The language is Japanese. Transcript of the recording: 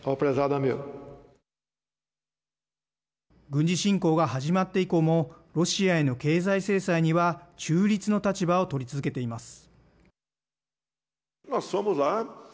軍事侵攻が始まって以降もロシアへの経済制裁には中立の立場を取り続けています。